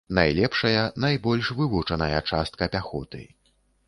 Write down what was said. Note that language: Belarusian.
Найлепшая, найбольш вывучаная частка пяхоты.